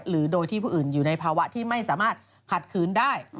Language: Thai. หรือโดยที่ผู้อื่นอยู่ในภาวะที่ไม่สามารถขัดขืนได้